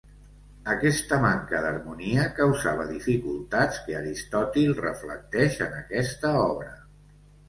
Aquesta manca d'harmonia causava dificultats que Aristòtil reflecteix en aquesta obra.